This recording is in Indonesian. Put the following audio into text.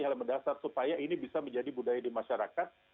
hal mendasar supaya ini bisa menjadi budaya di masyarakat